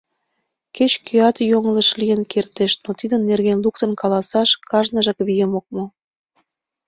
Кеч-кӧат йоҥылыш лийын кертеш, но тидын нерген луктын каласаш кажныжак вийым ок му.